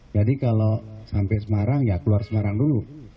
jadi kalau sampai semarang ya keluar semarang dulu